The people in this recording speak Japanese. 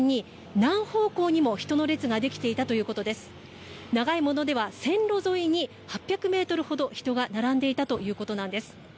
長いものでは線路沿いに８００メートルほど人が並んでいたということなんです。